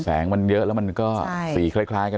แสงมันเยอะแล้วมันก็สีคล้ายกัน